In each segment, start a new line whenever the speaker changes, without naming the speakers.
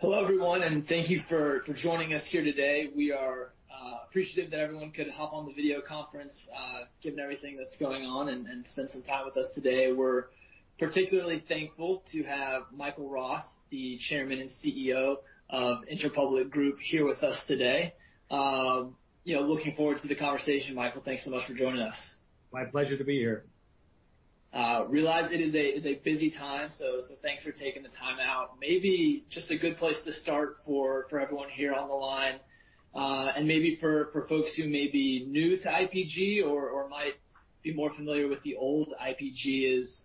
Hello, everyone, and thank you for joining us here today. We are appreciative that everyone could hop on the video conference, given everything that's going on, and spend some time with us today. We're particularly thankful to have Michael Roth, the Chairman and CEO of Interpublic Group, here with us today. Looking forward to the conversation, Michael. Thanks so much for joining us.
My pleasure to be here.
Realize it is a busy time, so thanks for taking the time out. Maybe just a good place to start for everyone here on the line, and maybe for folks who may be new to IPG or might be more familiar with the old IPG, is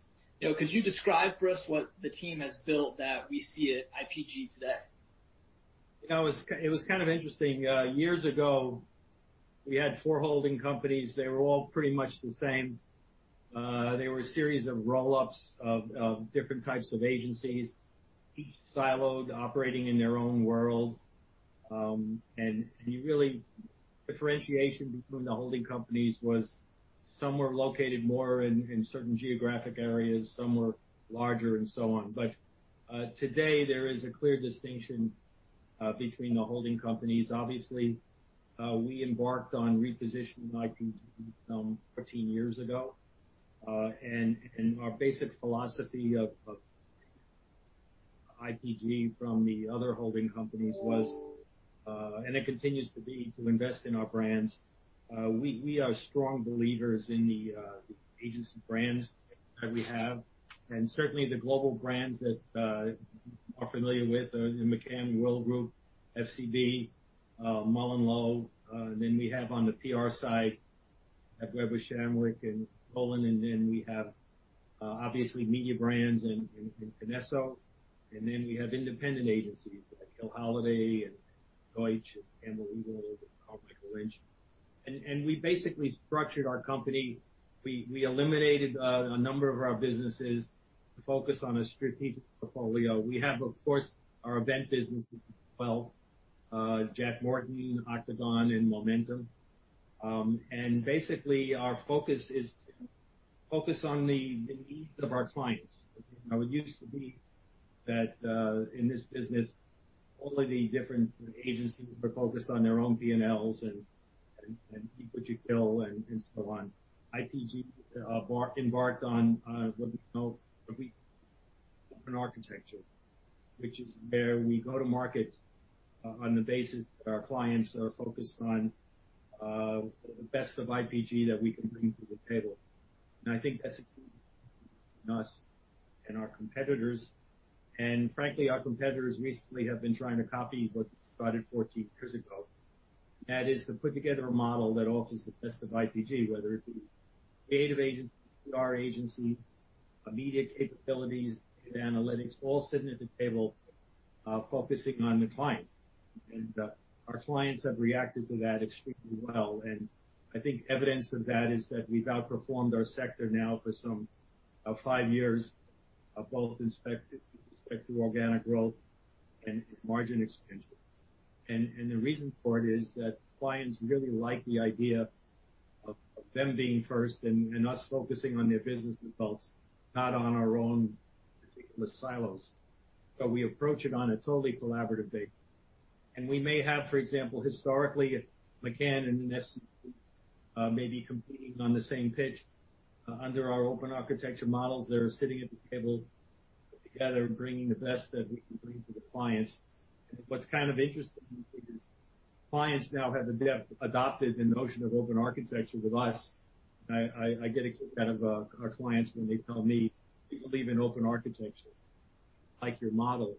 could you describe for us what the team has built that we see at IPG today?
It was kind of interesting. Years ago, we had four holding companies. They were all pretty much the same. They were a series of roll-ups of different types of agencies, each siloed, operating in their own world. And really, differentiation between the holding companies was some were located more in certain geographic areas, some were larger, and so on. But today, there is a clear distinction between the holding companies. Obviously, we embarked on repositioning IPG some 14 years ago. And our basic philosophy of IPG from the other holding companies was, and it continues to be, to invest in our brands. We are strong believers in the agency brands that we have. And certainly, the global brands that you are familiar with are McCann Worldgroup, FCB, MullenLowe. And then we have on the PR side at Weber Shandwick, and Rowland. And then we have, obviously, Mediabrands in KINESSO. And then we have independent agencies like Hill Holliday, Deutsch, and Campbell Ewald, and Carmichael Lynch. And we basically structured our company. We eliminated a number of our businesses to focus on a strategic portfolio. We have, of course, our event business as well, Jack Morton, Octagon, and Momentum. And basically, our focus is to focus on the needs of our clients. It used to be that in this business, all of the different agencies were focused on their own P&Ls and keep what you kill and so on. IPG embarked on what we call an open architecture, which is where we go to market on the basis that our clients are focused on the best of IPG that we can bring to the table. And I think that's a huge difference between us and our competitors. And frankly, our competitors recently have been trying to copy what we started 14 years ago, that is to put together a model that offers the best of IPG, whether it be creative agency, PR agency, media capabilities, data analytics, all sitting at the table focusing on the client. And our clients have reacted to that extremely well. And I think evidence of that is that we've outperformed our sector now for some five years, both in respect to organic growth and margin expansion. And the reason for it is that clients really like the idea of them being first and us focusing on their business results, not on our own particular silos. So we approach it on a totally collaborative basis. And we may have, for example, historically, McCann and FCB may be competing on the same pitch under our open architecture models. They're sitting at the table together, bringing the best that we can bring to the clients. And what's kind of interesting is clients now have adopted the notion of open architecture with us. I get a kick out of our clients when they tell me, "We believe in open architecture. We like your model."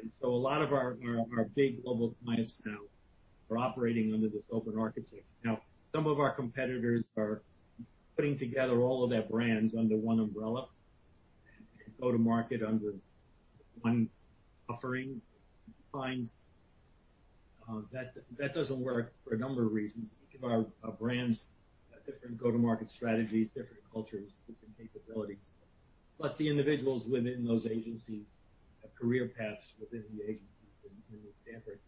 And so a lot of our big global clients now are operating under this open architecture. Now, some of our competitors are putting together all of their brands under one umbrella and go to market under one offering. Clients, that doesn't work for a number of reasons. Each of our brands has different go-to-market strategies, different cultures, different capabilities. Plus, the individuals within those agencies have career paths within the agency in the industry standard.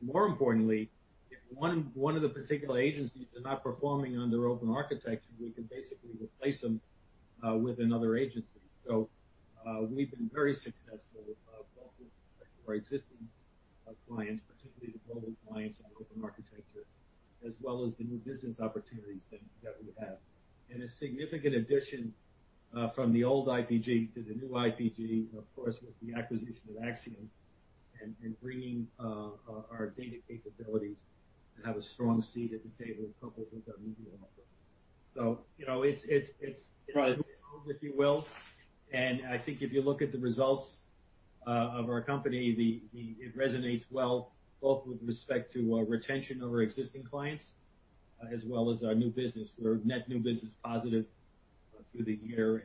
And more importantly, if one of the particular agencies is not performing under open architecture, we can basically replace them with another agency. So we've been very successful, both with our existing clients, particularly the global clients on open architecture, as well as the new business opportunities that we have. And a significant addition from the old IPG to the new IPG, of course, was the acquisition of Acxiom and bringing our data capabilities to have a strong seat at the table coupled with our media offer. So it's a go-to-market, if you will. And I think if you look at the results of our company, it resonates well, both with respect to retention of our existing clients as well as our new business. We're net new business positive through the year.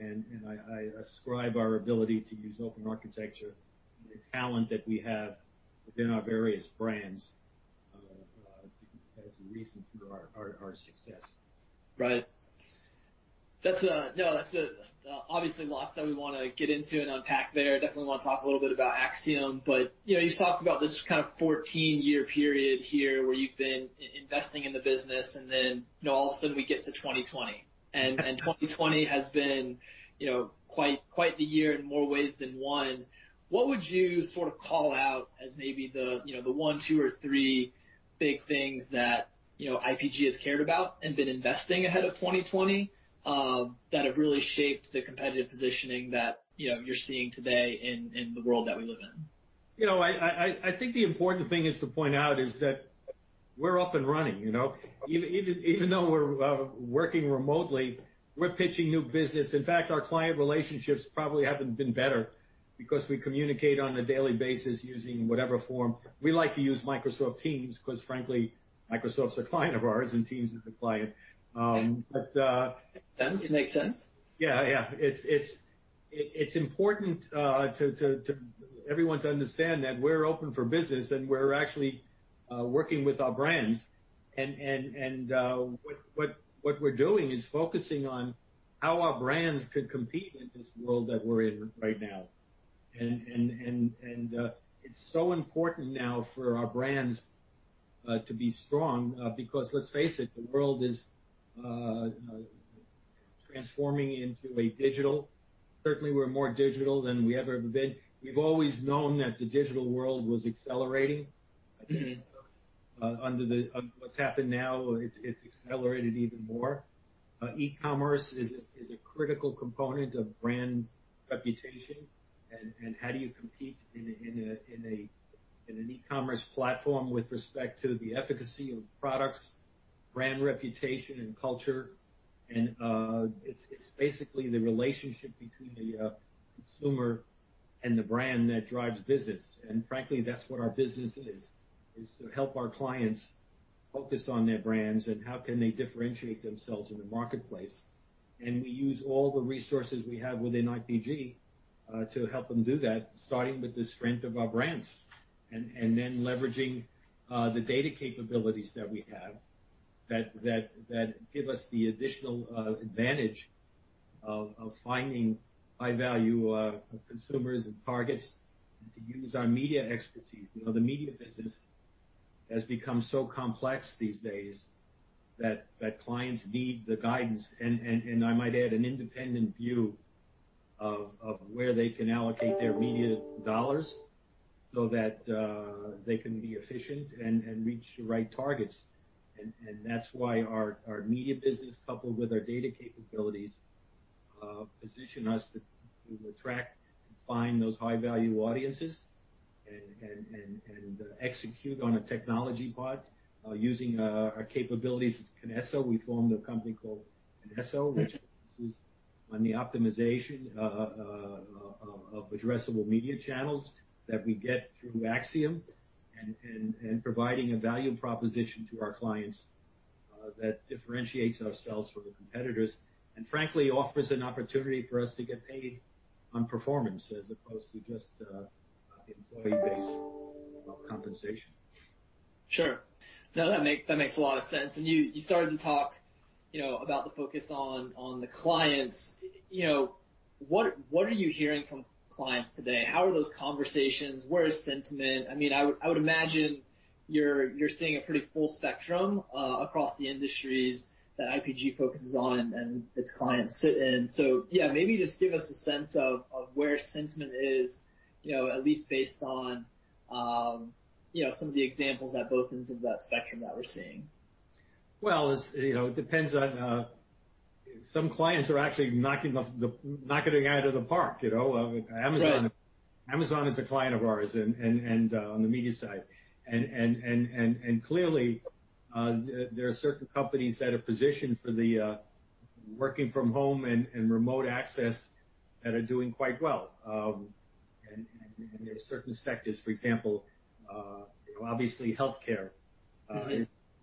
I ascribe our ability to use open architecture and the talent that we have within our various brands as a reason for our success.
Right. No, that's obviously lots that we want to get into and unpack there. Definitely want to talk a little bit about Acxiom. But you've talked about this kind of 14-year period here where you've been investing in the business, and then all of a sudden we get to 2020. And 2020 has been quite the year in more ways than one. What would you sort of call out as maybe the one, two, or three big things that IPG has cared about and been investing ahead of 2020 that have really shaped the competitive positioning that you're seeing today in the world that we live in?
I think the important thing is to point out is that we're up and running. Even though we're working remotely, we're pitching new business. In fact, our client relationships probably haven't been better because we communicate on a daily basis using whatever form. We like to use Microsoft Teams because, frankly, Microsoft's a client of ours and Teams is a client.
Makes sense. Makes sense.
Yeah, yeah. It's important for everyone to understand that we're open for business and we're actually working with our brands. And what we're doing is focusing on how our brands could compete in this world that we're in right now. And it's so important now for our brands to be strong because, let's face it, the world is transforming into a digital. Certainly, we're more digital than we ever have been. We've always known that the digital world was accelerating. I think under what's happened now, it's accelerated even more. E-commerce is a critical component of brand reputation. And how do you compete in an e-commerce platform with respect to the efficacy of products, brand reputation, and culture? And it's basically the relationship between the consumer and the brand that drives business. Frankly, that's what our business is, is to help our clients focus on their brands and how can they differentiate themselves in the marketplace. We use all the resources we have within IPG to help them do that, starting with the strength of our brands and then leveraging the data capabilities that we have that give us the additional advantage of finding high-value consumers and targets to use our media expertise. The media business has become so complex these days that clients need the guidance. I might add an independent view of where they can allocate their media dollars so that they can be efficient and reach the right targets. That's why our media business, coupled with our data capabilities, positions us to attract and find those high-value audiences and execute on a technology bot. Using our capabilities at KINESSO, we formed a company called KINESSO, which focuses on the optimization of addressable media channels that we get through Acxiom and providing a value proposition to our clients that differentiates ourselves from the competitors and, frankly, offers an opportunity for us to get paid on performance as opposed to just employee-based compensation.
Sure. No, that makes a lot of sense. And you started to talk about the focus on the clients. What are you hearing from clients today? How are those conversations? Where is sentiment? I mean, I would imagine you're seeing a pretty full spectrum across the industries that IPG focuses on and its clients sit in. So yeah, maybe just give us a sense of where sentiment is, at least based on some of the examples at both ends of that spectrum that we're seeing.
It depends. Some clients are actually knocking it out of the park. Amazon is a client of ours on the media side. Clearly, there are certain companies that are positioned for the working from home and remote access that are doing quite well. There are certain sectors, for example. Obviously, healthcare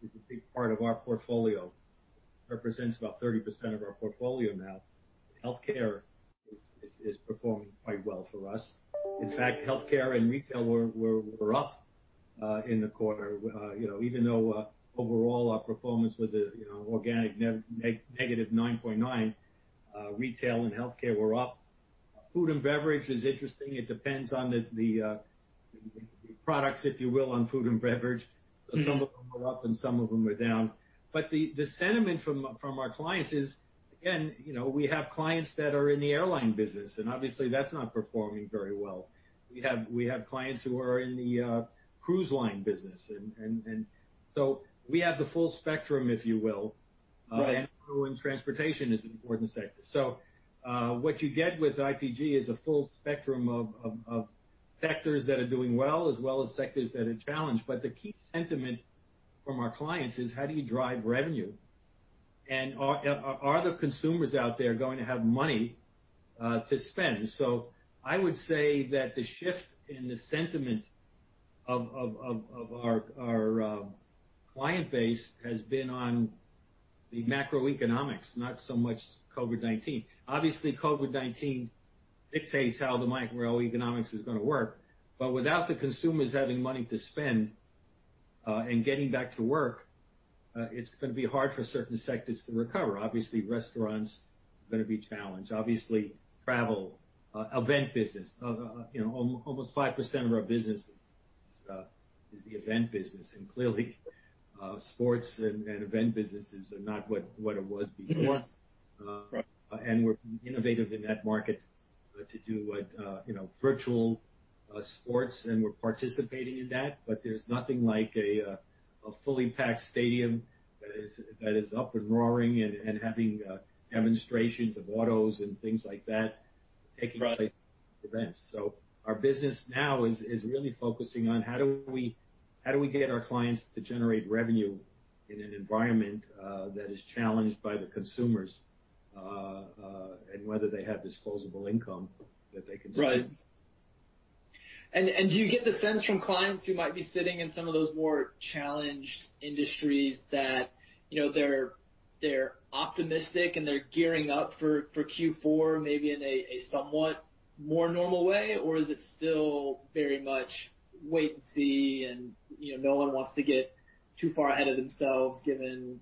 is a big part of our portfolio. It represents about 30% of our portfolio now. Healthcare is performing quite well for us. In fact, healthcare and retail were up in the quarter, even though overall our performance was an organic negative 9.9%. Retail and healthcare were up. Food and beverage is interesting. It depends on the products, if you will, on food and beverage. Some of them are up and some of them are down. But the sentiment from our clients is, again, we have clients that are in the airline business, and obviously, that's not performing very well. We have clients who are in the cruise line business. And so we have the full spectrum, if you will. And transportation is an important sector. So what you get with IPG is a full spectrum of sectors that are doing well as well as sectors that are challenged. But the key sentiment from our clients is, how do you drive revenue? And are the consumers out there going to have money to spend? So I would say that the shift in the sentiment of our client base has been on the macroeconomics, not so much COVID-19. Obviously, COVID-19 dictates how the macroeconomics is going to work. But without the consumers having money to spend and getting back to work, it's going to be hard for certain sectors to recover. Obviously, restaurants are going to be challenged. Obviously, travel, event business. Almost 5% of our business is the event business. And clearly, sports and event businesses are not what it was before. And we're innovative in that market to do virtual sports, and we're participating in that. But there's nothing like a fully packed stadium that is up and roaring and having demonstrations of autos and things like that taking place at events. So our business now is really focusing on how do we get our clients to generate revenue in an environment that is challenged by the consumers and whether they have disposable income that they can spend.
Right, and do you get the sense from clients who might be sitting in some of those more challenged industries that they're optimistic and they're gearing up for Q4 maybe in a somewhat more normal way? Or is it still very much wait and see and no one wants to get too far ahead of themselves given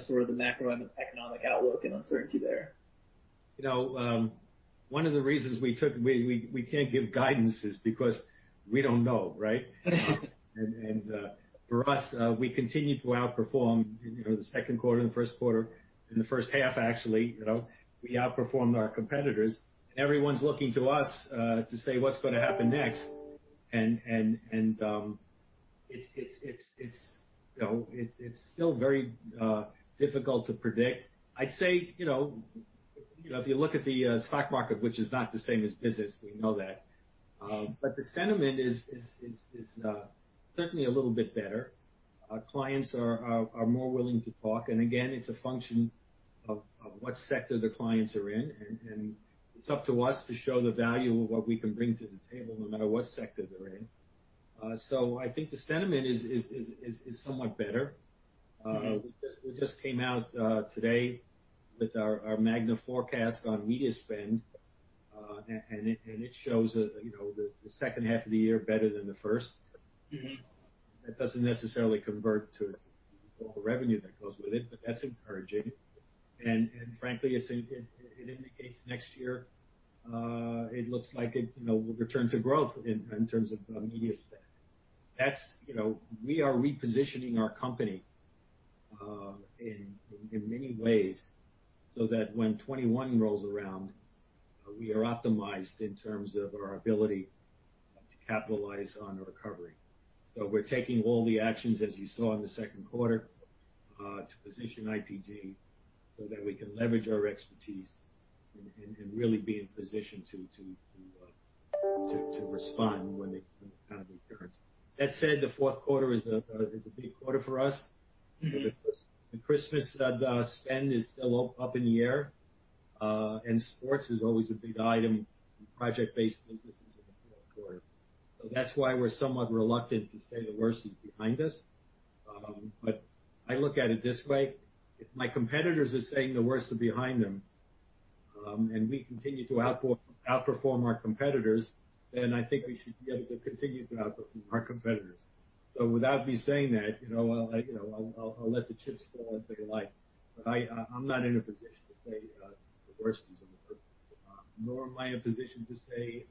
sort of the macroeconomic outlook and uncertainty there?
One of the reasons we can't give guidance is because we don't know, right? And for us, we continue to outperform in the second quarter, the first quarter, and the first half, actually. We outperformed our competitors. And everyone's looking to us to say, "What's going to happen next?" And it's still very difficult to predict. I'd say if you look at the stock market, which is not the same as business, we know that. But the sentiment is certainly a little bit better. Clients are more willing to talk. And again, it's a function of what sector the clients are in. And it's up to us to show the value of what we can bring to the table no matter what sector they're in. So I think the sentiment is somewhat better. We just came out today with our MAGNA forecast on media spend, and it shows the second half of the year better than the first. That doesn't necessarily convert to all the revenue that goes with it, but that's encouraging, and frankly, it indicates next year it looks like it will return to growth in terms of media spend. We are repositioning our company in many ways so that when 2021 rolls around, we are optimized in terms of our ability to capitalize on the recovery, so we're taking all the actions, as you saw in the second quarter, to position IPG so that we can leverage our expertise and really be in position to respond when the economy turns. That said, the fourth quarter is a big quarter for us. The Christmas spend is still up in the air. And sports is always a big item in project-based businesses in the fourth quarter. So that's why we're somewhat reluctant to say the worst is behind us. But I look at it this way. If my competitors are saying the worst are behind them and we continue to outperform our competitors, then I think we should be able to continue to outperform our competitors. So without me saying that, I'll let the chips fall as they like. But I'm not in a position to say the worst is over. Nor am I in a position to say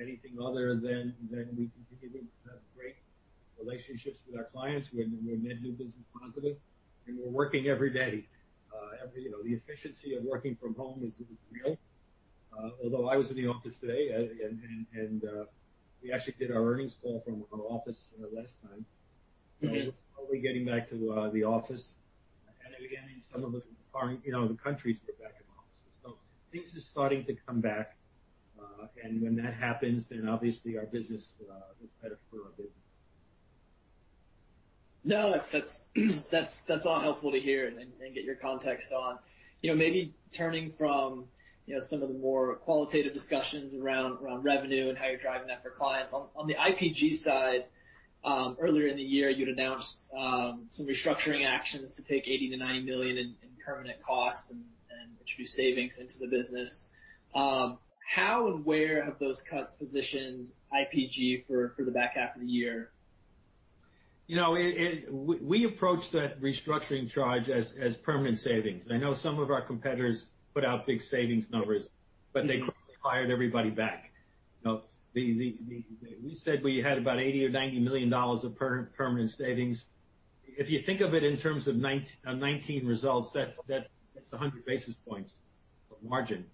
anything other than we continue to have great relationships with our clients and we're net new business positive. And we're working every day. The efficiency of working from home is real. Although I was in the office today and we actually did our earnings call from our office last time. So we're slowly getting back to the office. And again, in some of the countries, we're back in the office. So things are starting to come back. And when that happens, then obviously our business is better for our business.
No, that's all helpful to hear and get your context on. Maybe turning from some of the more qualitative discussions around revenue and how you're driving that for clients. On the IPG side, earlier in the year, you'd announced some restructuring actions to take $80 million-$90 million in permanent cost and introduce savings into the business. How and where have those cuts positioned IPG for the back half of the year?
We approached that restructuring charge as permanent savings. I know some of our competitors put out big savings numbers, but they quickly fired everybody back. We said we had about $80-$90 million of permanent savings. If you think of it in terms of 2019 results, that's 100 basis points of margin,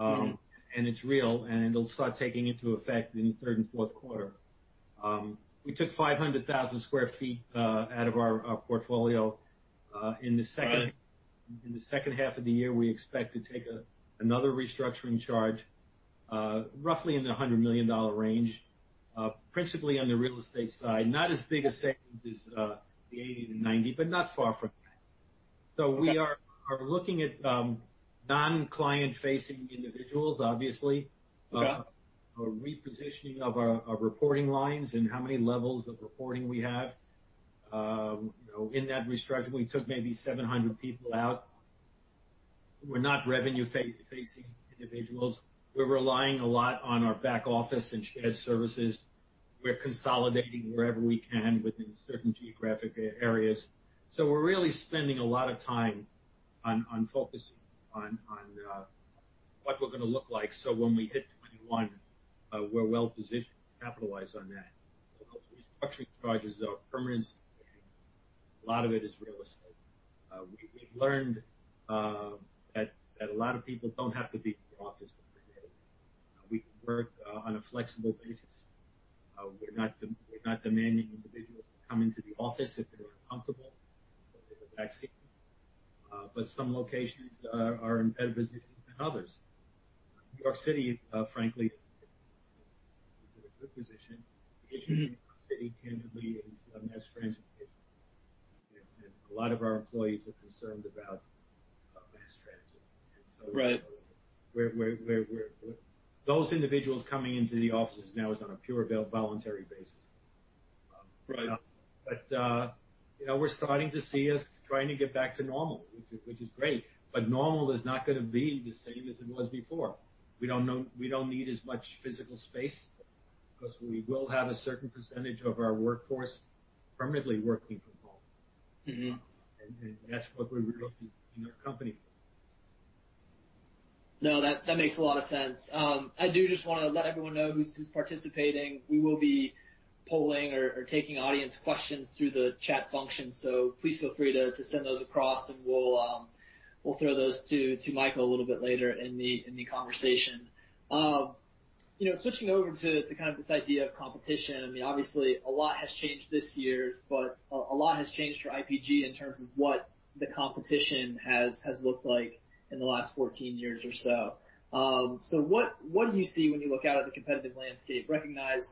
and it's real, and it'll start taking into effect in the third and fourth quarter. We took 500,000 sq ft out of our portfolio. In the second half of the year, we expect to take another restructuring charge, roughly in the $100 million range, principally on the real estate side. Not as big a savings as the '80 to '90, but not far from that, so we are looking at non-client-facing individuals, obviously, repositioning of our reporting lines and how many levels of reporting we have. In that restructuring, we took maybe 700 people out. We're not revenue-facing individuals. We're relying a lot on our back office and shared services. We're consolidating wherever we can within certain geographic areas. So we're really spending a lot of time on focusing on what we're going to look like so when we hit 2021, we're well-positioned to capitalize on that so those restructuring charges are permanent savings. A lot of it is real estate. We've learned that a lot of people don't have to be in the office every day. We can work on a flexible basis. We're not demanding individuals to come into the office if they're uncomfortable because of the vaccine. But some locations are in better positions than others. New York City, frankly, is in a good position. The issue in New York City, candidly, is mass transit issues and a lot of our employees are concerned about mass transit. Those individuals coming into the offices now is on a pure voluntary basis. But we're starting to see us trying to get back to normal, which is great. But normal is not going to be the same as it was before. We don't need as much physical space because we will have a certain percentage of our workforce permanently working from home. And that's what we're really using our company for.
No, that makes a lot of sense. I do just want to let everyone know who's participating. We will be polling or taking audience questions through the chat function. So please feel free to send those across, and we'll throw those to Michael a little bit later in the conversation. Switching over to kind of this idea of competition. I mean, obviously, a lot has changed this year, but a lot has changed for IPG in terms of what the competition has looked like in the last 14 years or so. So what do you see when you look out at the competitive landscape? Recognize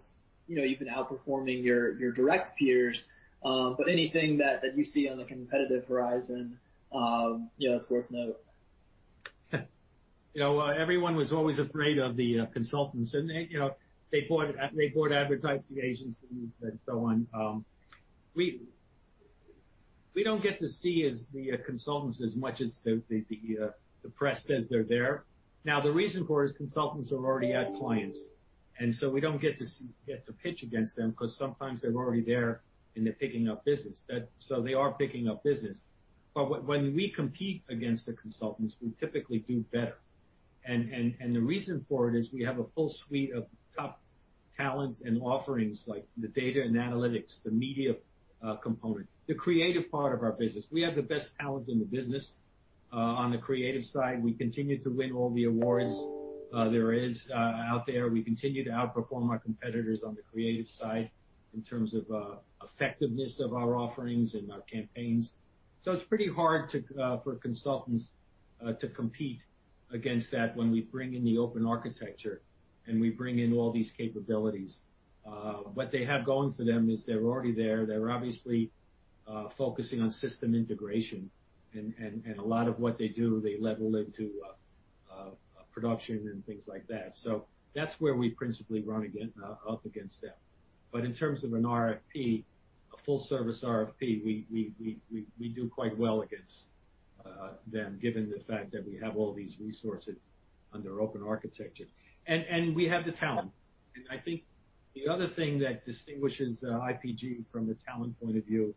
you've been outperforming your direct peers, but anything that you see on the competitive horizon that's worth noting?
Everyone was always afraid of the consultants, and they bought advertising agencies and so on. We don't get to see the consultants as much as the press says they're there. Now, the reason for it is consultants are already at clients, and so we don't get to pitch against them because sometimes they're already there and they're picking up business, so they are picking up business, but when we compete against the consultants, we typically do better, and the reason for it is we have a full suite of top talent and offerings like the data and analytics, the media component, the creative part of our business. We have the best talent in the business. On the creative side, we continue to win all the awards there is out there. We continue to outperform our competitors on the creative side in terms of effectiveness of our offerings and our campaigns. It's pretty hard for consultants to compete against that when we bring in the open architecture and we bring in all these capabilities. What they have going for them is they're already there. They're obviously focusing on system integration. And a lot of what they do, they level into production and things like that. That's where we principally run up against them. But in terms of an RFP, a full-service RFP, we do quite well against them given the fact that we have all these resources under open architecture. And we have the talent. And I think the other thing that distinguishes IPG from the talent point of view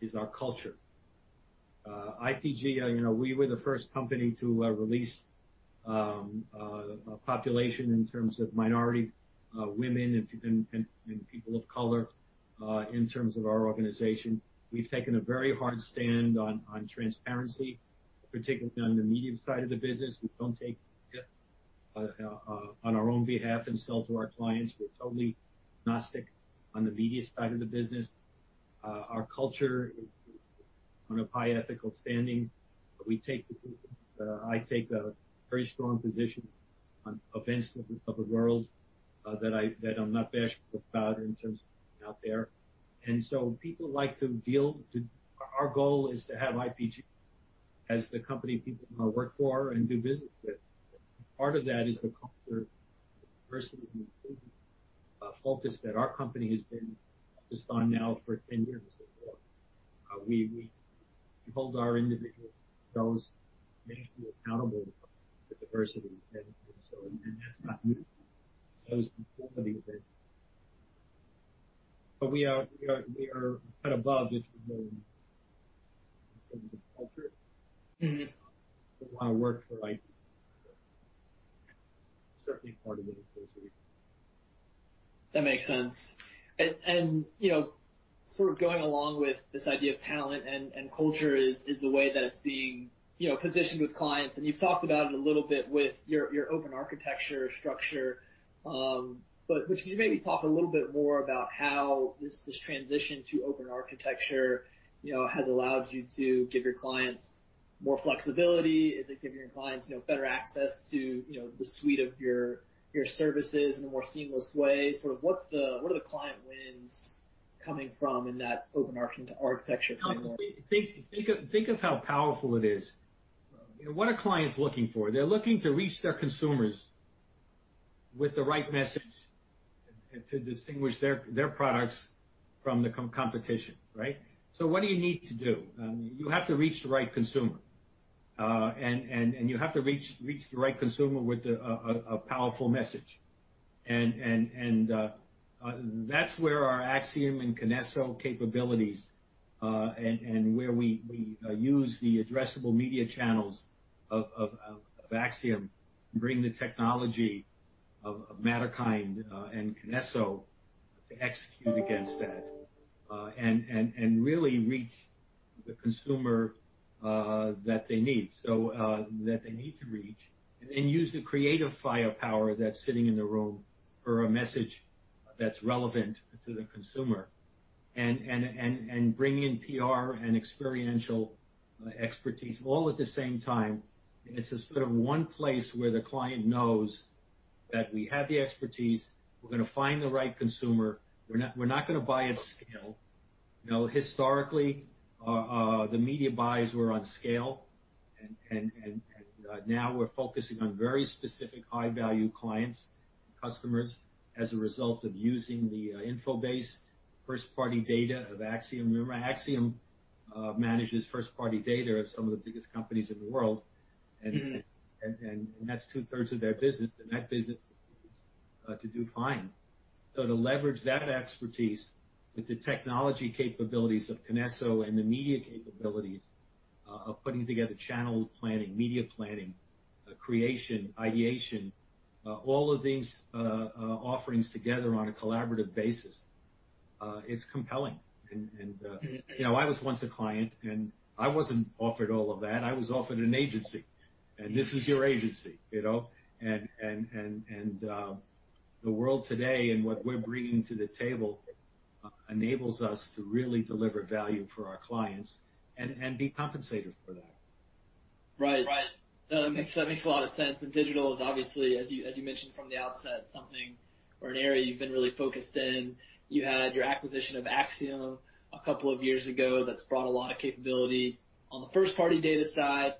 is our culture. IPG, we were the first company to release a population in terms of minority women and people of color in terms of our organization. We've taken a very hard stand on transparency, particularly on the media side of the business. We don't take media on our own behalf and sell to our clients. We're totally agnostic on the media side of the business. Our culture is on a high ethical standing. I take a very strong position on events of the world that I'm not bashful about in terms of being out there. And so people like to deal with us. Our goal is to have IPG as the company people want to work for and do business with. Part of that is the culture, the diversity, the inclusion focus that our company has been focused on now for 10 years. We hold our individuals, ourselves, and we make you accountable for the diversity. And that's not new. That was before the events. But we are a cut above if we're willing to work in terms of culture. We want to work for IPG. Certainly part of it is those reasons.
That makes sense, and sort of going along with this idea of talent and culture is the way that it's being positioned with clients, and you've talked about it a little bit with your open architecture structure, but could you maybe talk a little bit more about how this transition to open architecture has allowed you to give your clients more flexibility? Is it giving your clients better access to the suite of your services in a more seamless way? Sort of what are the client wins coming from in that open architecture framework?
Think of how powerful it is. What are clients looking for? They're looking to reach their consumers with the right message to distinguish their products from the competition, right? So what do you need to do? You have to reach the right consumer. And you have to reach the right consumer with a powerful message. And that's where our Acxiom and KINESSO capabilities and where we use the addressable media channels of Acxiom bring the technology of Matterkind and KINESSO to execute against that and really reach the consumer that they need, that they need to reach, and then use the creative firepower that's sitting in the room for a message that's relevant to the consumer and bring in PR and experiential expertise all at the same time. It's a sort of one place where the client knows that we have the expertise. We're going to find the right consumer. We're not going to buy at scale. Historically, the media buys were on scale. And now we're focusing on very specific high-value clients and customers as a result of using the InfoBase, first-party data of Acxiom. Remember, Acxiom manages first-party data of some of the biggest companies in the world. And that's two-thirds of their business. And that business continues to do fine. So to leverage that expertise with the technology capabilities of KINESSO and the media capabilities of putting together channel planning, media planning, creation, ideation, all of these offerings together on a collaborative basis, it's compelling. And I was once a client, and I wasn't offered all of that. I was offered an agency. And this is your agency. And the world today and what we're bringing to the table enables us to really deliver value for our clients and be compensated for that.
Right. Right. No, that makes a lot of sense, and digital is obviously, as you mentioned from the outset, something or an area you've been really focused in. You had your acquisition of Acxiom a couple of years ago that's brought a lot of capability on the first-party data side,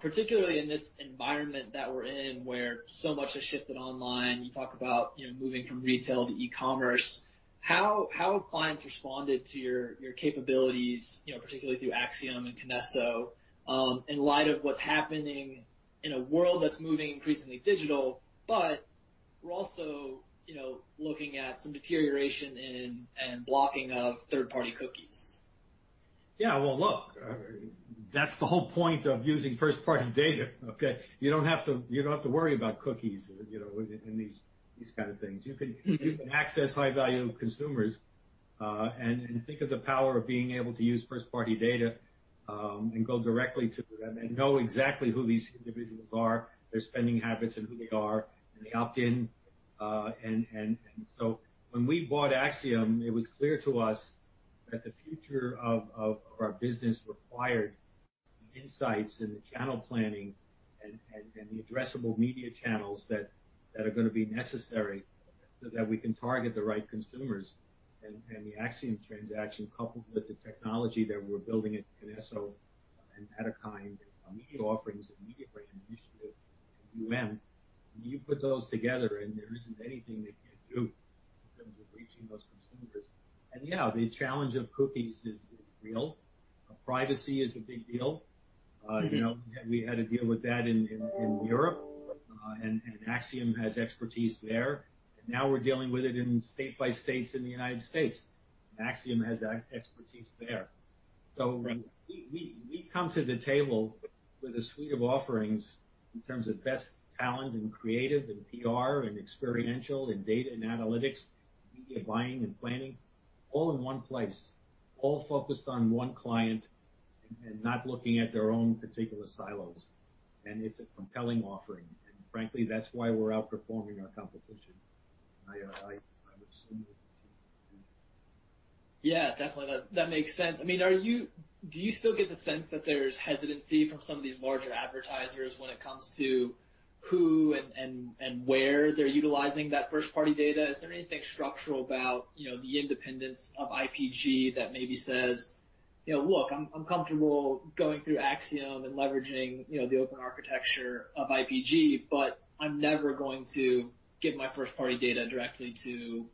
particularly in this environment that we're in where so much has shifted online. You talk about moving from retail to e-commerce. How have clients responded to your capabilities, particularly through Acxiom and KINESSO, in light of what's happening in a world that's moving increasingly digital, but we're also looking at some deterioration and blocking of third-party cookies?
Yeah, well, look, that's the whole point of using first-party data. Okay? You don't have to worry about cookies and these kinds of things. You can access high-value consumers and think of the power of being able to use first-party data and go directly to them and know exactly who these individuals are, their spending habits and who they are, and they opt in, and so when we bought Acxiom, it was clear to us that the future of our business required insights in the channel planning and the addressable media channels that are going to be necessary so that we can target the right consumers, and the Acxiom transaction, coupled with the technology that we're building at KINESSO and Matterkind and our media offerings and Mediabrands Initiative. When you put those together, and there isn't anything they can't do in terms of reaching those consumers. Yeah, the challenge of cookies is real. Privacy is a big deal. We had to deal with that in Europe. Acxiom has expertise there. Now we're dealing with it in state-by-state in the United States. Acxiom has that expertise there. We come to the table with a suite of offerings in terms of best talent and creative and PR and experiential and data and analytics, media buying and planning, all in one place, all focused on one client and not looking at their own particular silos. It's a compelling offering. Frankly, that's why we're outperforming our competition. I would assume they'll continue.
Yeah. Definitely. That makes sense. I mean, do you still get the sense that there's hesitancy from some of these larger advertisers when it comes to who and where they're utilizing that first-party data? Is there anything structural about the independence of IPG that maybe says, "Look, I'm comfortable going through Acxiom and leveraging the open architecture of IPG, but I'm never going to give my first-party data directly to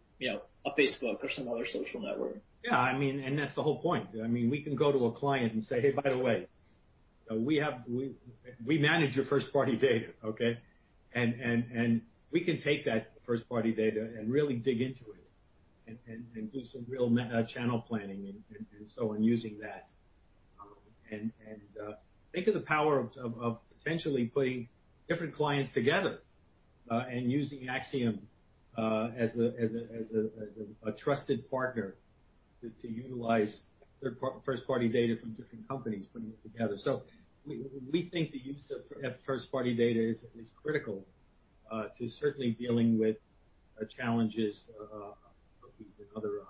Facebook or some other social network"?
Yeah. I mean, and that's the whole point. I mean, we can go to a client and say, "Hey, by the way, we manage your first-party data." Okay? And we can take that first-party data and really dig into it and do some real channel planning and so on using that. And think of the power of potentially putting different clients together and using Acxiom as a trusted partner to utilize first-party data from different companies putting it together. So we think the use of first-party data is critical to certainly dealing with challenges of cookies and other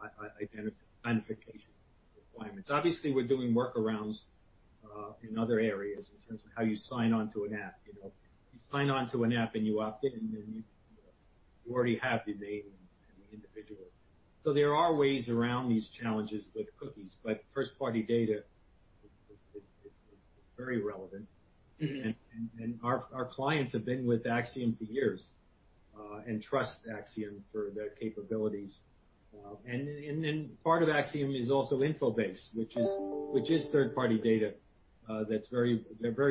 identification requirements. Obviously, we're doing workarounds in other areas in terms of how you sign onto an app. You sign onto an app and you opt in, and you already have the name and the individual. So there are ways around these challenges with cookies, but first-party data is very relevant. Our clients have been with Acxiom for years and trust Acxiom for their capabilities. And then part of Acxiom is also InfoBase, which is third-party data that's very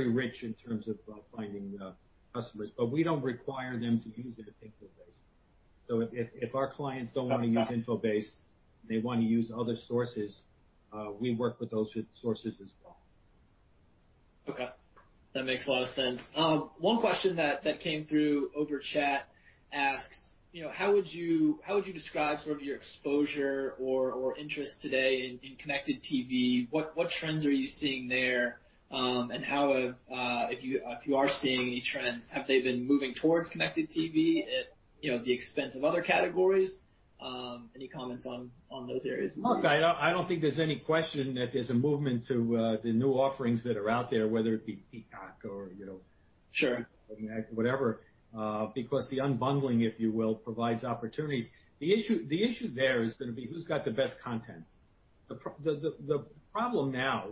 rich in terms of finding customers. But we don't require them to use that InfoBase. So if our clients don't want to use InfoBase and they want to use other sources, we work with those sources as well.
Okay. That makes a lot of sense. One question that came through over chat asks, how would you describe sort of your exposure or interest today in connected TV? What trends are you seeing there? And if you are seeing any trends, have they been moving towards connected TV at the expense of other categories? Any comments on those areas?
Look, I don't think there's any question that there's a movement to the new offerings that are out there, whether it be Peacock or whatever, because the unbundling, if you will, provides opportunities. The issue there is going to be who's got the best content. The problem now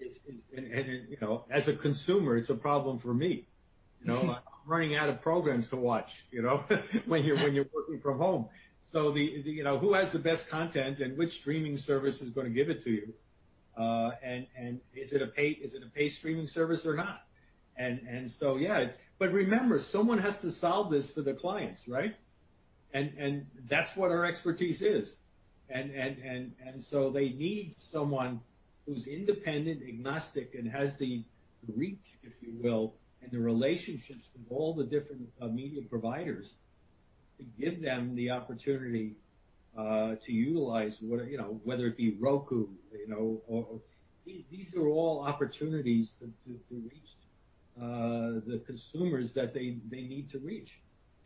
is, and as a consumer, it's a problem for me. I'm running out of programs to watch when you're working from home. So who has the best content and which streaming service is going to give it to you? And is it a paid streaming service or not? And so, yeah. But remember, someone has to solve this for the clients, right? And that's what our expertise is. And so they need someone who's independent, agnostic, and has the reach, if you will, and the relationships with all the different media providers to give them the opportunity to utilize whether it be Roku. These are all opportunities to reach the consumers that they need to reach.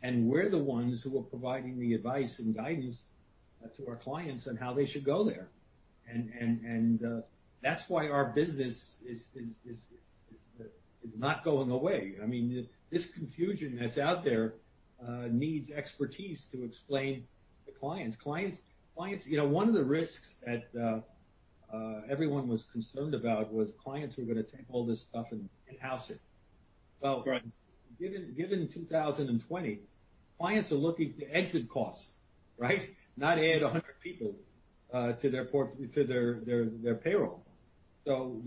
And we're the ones who are providing the advice and guidance to our clients on how they should go there. And that's why our business is not going away. I mean, this confusion that's out there needs expertise to explain to clients. One of the risks that everyone was concerned about was clients were going to take all this stuff and house it. Well, given 2020, clients are looking to exit costs, right? Not add 100 people to their payroll. So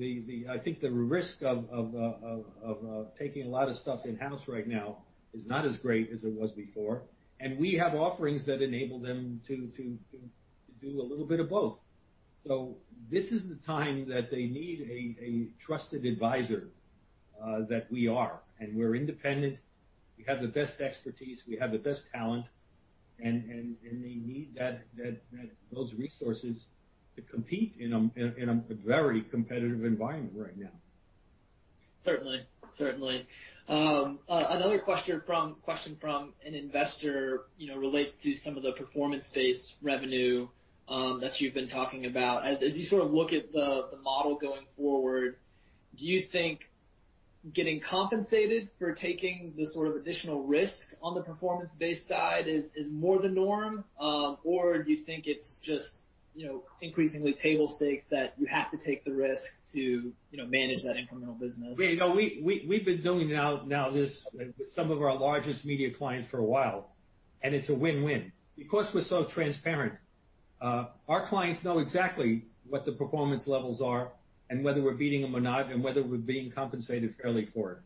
I think the risk of taking a lot of stuff in-house right now is not as great as it was before. And we have offerings that enable them to do a little bit of both. So this is the time that they need a trusted advisor that we are. And we're independent. We have the best expertise. We have the best talent. And they need those resources to compete in a very competitive environment right now.
Certainly. Certainly. Another question from an investor relates to some of the performance-based revenue that you've been talking about. As you sort of look at the model going forward, do you think getting compensated for taking this sort of additional risk on the performance-based side is more the norm, or do you think it's just increasingly table stakes that you have to take the risk to manage that incremental business?
We've been doing now this with some of our largest media clients for a while. It's a win-win. Because we're so transparent, our clients know exactly what the performance levels are and whether we're beating them or not and whether we're being compensated fairly for it.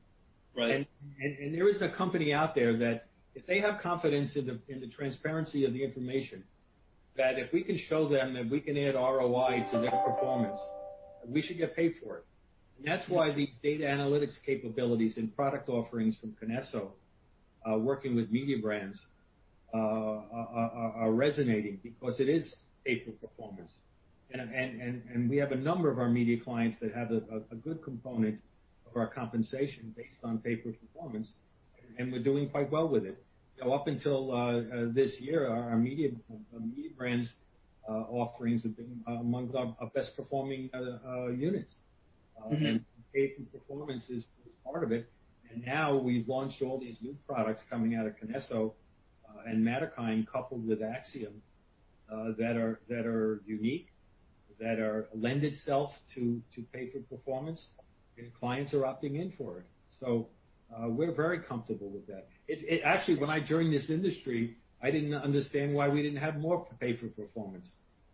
There is a company out there that if they have confidence in the transparency of the information, that if we can show them that we can add ROI to their performance, we should get paid for it. That's why these data analytics capabilities and product offerings from KINESSO working with Mediabrands are resonating because it is pay-for-performance. We have a number of our media clients that have a good component of our compensation based on pay-for-performance. We're doing quite well with it. Up until this year, our Mediabrands offerings have been among our best-performing units, and pay-for-performance is part of it. And now we've launched all these new products coming out of KINESSO and Matterkind coupled with Acxiom that are unique, that lend itself to pay-for-performance, and clients are opting in for it, so we're very comfortable with that. Actually, when I joined this industry, I didn't understand why we didn't have more pay-for-performance.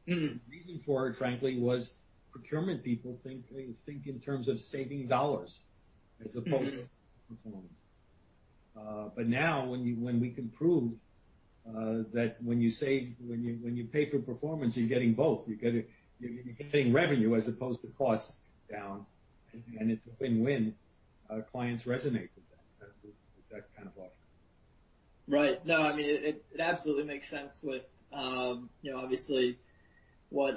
The reason for it, frankly, was procurement people think in terms of saving dollars as opposed to performance. But now when we can prove that when you pay for performance, you're getting both. You're getting revenue as opposed to costs down, and it's a win-win. Clients resonate with that kind of offering.
Right. No. I mean, it absolutely makes sense with, obviously, what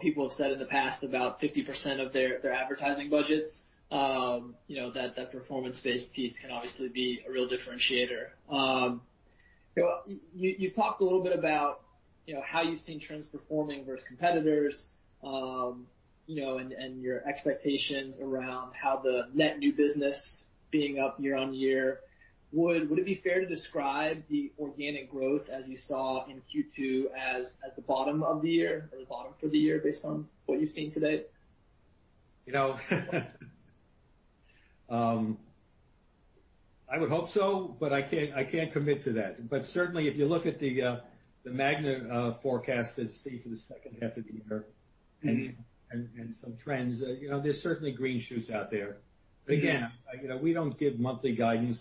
people have said in the past about 50% of their advertising budgets, that performance-based piece can obviously be a real differentiator. You've talked a little bit about how you've seen trends performing versus competitors and your expectations around how the net new business being up year on year. Would it be fair to describe the organic growth as you saw in Q2 as the bottom of the year or the bottom for the year based on what you've seen today?
I would hope so, but I can't commit to that. But certainly, if you look at the MAGNA forecast that's due for the second half of the year and some trends, there's certainly green shoots out there. But again, we don't give monthly guidance.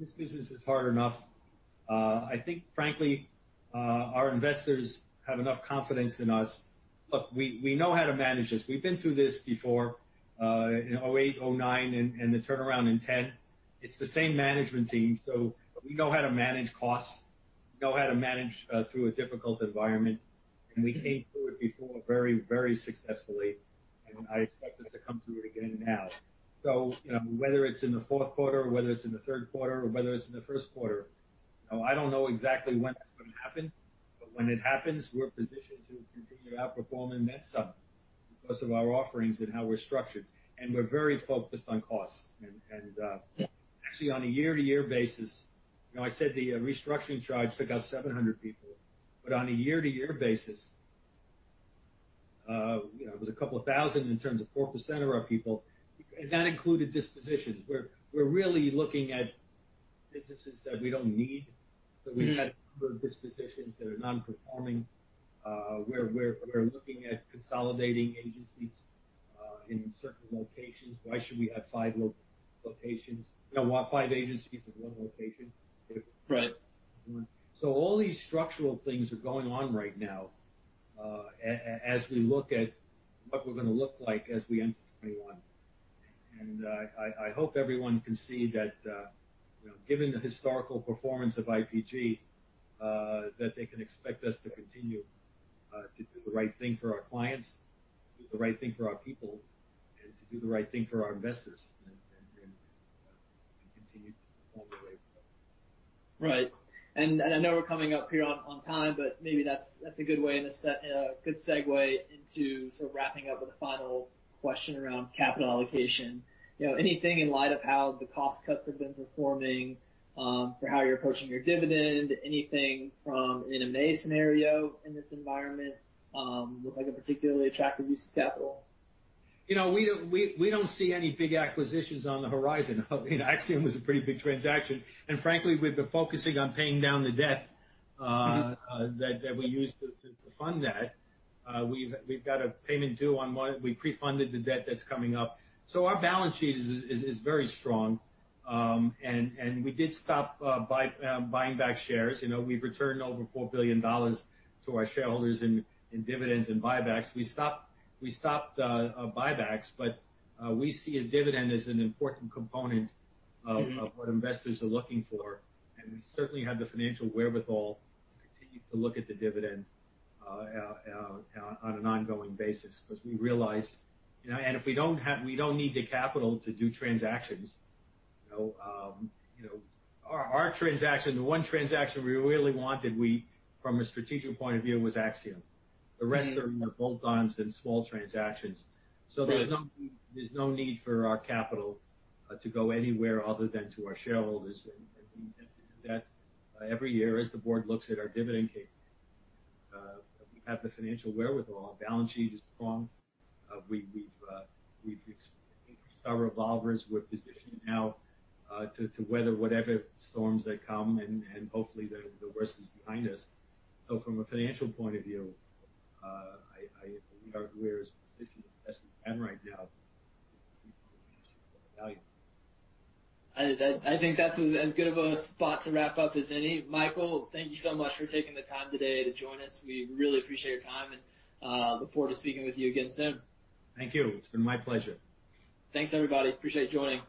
This business is hard enough. I think, frankly, our investors have enough confidence in us. Look, we know how to manage this. We've been through this before in 2008, 2009, and the turnaround in 2010. It's the same management team. So we know how to manage costs, know how to manage through a difficult environment. And we came through it before very, very successfully. And I expect us to come through it again now. So whether it's in the fourth quarter or whether it's in the third quarter or whether it's in the first quarter, I don't know exactly when that's going to happen. But when it happens, we're positioned to continue to outperform in that sum because of our offerings and how we're structured. And we're very focused on costs. And actually, on a year-to-year basis, I said the restructuring charge took us 700 people. But on a year-to-year basis, it was a couple of thousand in terms of 4% of our people. And that included dispositions. We're really looking at businesses that we don't need. So we've had a number of dispositions that are non-performing. We're looking at consolidating agencies in certain locations. Why should we have five locations? Why five agencies in one location? So all these structural things are going on right now as we look at what we're going to look like as we enter 2021. I hope everyone can see that given the historical performance of IPG, that they can expect us to continue to do the right thing for our clients, do the right thing for our people, and to do the right thing for our investors and continue to perform the way we do.
Right. And I know we're coming up here on time, but maybe that's a good way and a good segue into sort of wrapping up with a final question around capital allocation. Anything in light of how the cost cuts have been performing for how you're approaching your dividend? Anything from an M&A scenario in this environment look like a particularly attractive use of capital?
We don't see any big acquisitions on the horizon. I mean, Acxiom was a pretty big transaction, and frankly, we've been focusing on paying down the debt that we use to fund that. We've got a payment due on one we pre-funded the debt that's coming up, so our balance sheet is very strong, and we did stop buying back shares. We've returned over $4 billion to our shareholders in dividends and buybacks. We stopped buybacks, but we see a dividend as an important component of what investors are looking for, and we certainly have the financial wherewithal to continue to look at the dividend on an ongoing basis because we realize, and if we don't need the capital to do transactions, our transaction, the one transaction we really wanted from a strategic point of view was Acxiom. The rest are bolt-ons and small transactions. There's no need for our capital to go anywhere other than to our shareholders. We intend to do that every year as the board looks at our dividend case. We have the financial wherewithal. Our balance sheet is strong. We've increased our revolvers. We're positioned now to weather whatever storms that come and hopefully the worst is behind us. From a financial point of view, we are as positioned as best we can right now to continue to support the value.
I think that's as good of a spot to wrap up as any. Michael, thank you so much for taking the time today to join us. We really appreciate your time and look forward to speaking with you again soon.
Thank you. It's been my pleasure.
Thanks, everybody. Appreciate you joining.